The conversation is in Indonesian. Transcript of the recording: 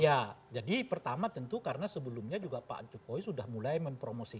iya jadi pertama tentu karena sebelumnya itu adalah nama prabowo subianto yang akan berkumpul